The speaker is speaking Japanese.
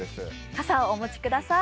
傘をお持ちください。